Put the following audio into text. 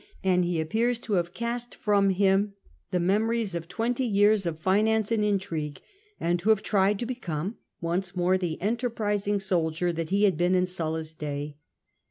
and he appears to have cast from him the memories of twenty years of finance and intrigue, and to have tried to become once more the enterprising soldier that he had been in Sulla's day.